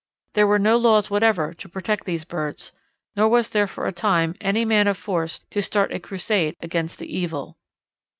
There were no laws whatever to protect these birds, nor was there for a time any man of force to start a crusade against the evil.